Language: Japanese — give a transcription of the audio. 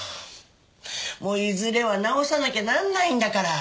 もういずれは直さなきゃならないんだから。